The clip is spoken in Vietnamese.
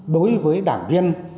đối với đảng viên